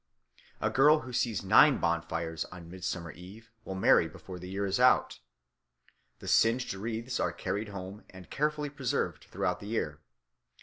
A girl who sees nine bonfires on Midsummer Eve will marry before the year is out. The singed wreaths are carried home and carefully preserved throughout the year.